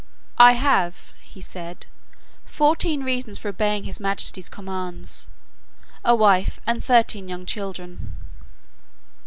"I have," he said, "fourteen reasons for obeying His Majesty's commands, a wife and thirteen young children."